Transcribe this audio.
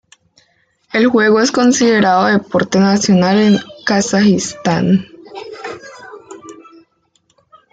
El juego es considerado deporte nacional en Kazajistán.